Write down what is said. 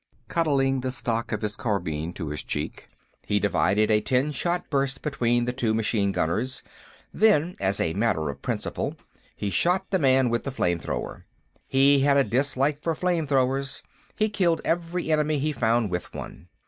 Cuddling the stock of his carbine to his cheek, he divided a ten shot burst between the two machine gunners, then, as a matter of principle, he shot the man with the flame thrower. He had a dislike for flame throwers; he killed every enemy he found with one.